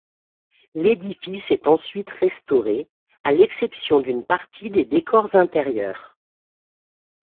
L'édifice est ensuite restauré, à l'exception d'une partie des décors intérieurs.